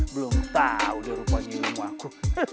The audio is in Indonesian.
belum tahu dia rupanya ilmu aku